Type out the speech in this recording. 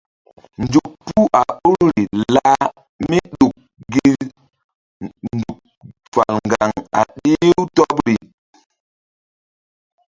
Nzuk puh a ɓoruri lah míɗuk gi nzuk fal ŋgaŋ a ɗih-u tɔbri.